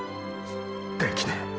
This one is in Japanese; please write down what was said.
できねェ